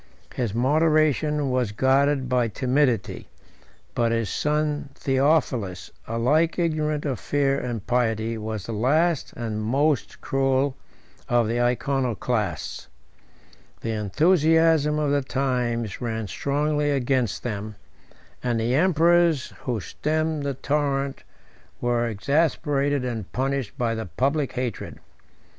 His moderation was guarded by timidity; but his son Theophilus, alike ignorant of fear and pity, was the last and most cruel of the Iconoclasts. The enthusiasm of the times ran strongly against them; and the emperors who stemmed the torrent were exasperated and punished by the public hatred.